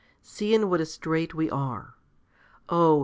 See in what a strait we are. Oh!